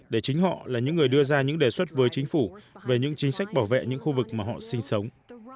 để chính họ là những người đưa ra những đề xuất với chính phủ về những chính sách bảo vệ những khu vực mà họ sinh sống